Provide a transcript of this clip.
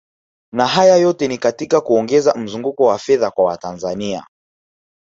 Na haya yote ni katika kuongeza mzunguko wa fedha kwa Watanzania